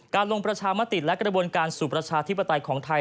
ลงประชามติและกระบวนการสู่ประชาธิปไตยของไทย